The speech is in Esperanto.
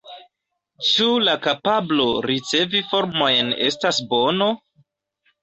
Ĉu la kapablo ricevi “formojn” estas bono?